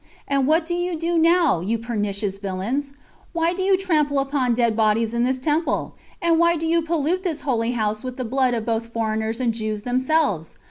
And what do you do now, you pernicious villains? Why do you trample upon dead bodies in this temple? and why do you pollute this holy house with the blood of both foreigners and Jews themselves?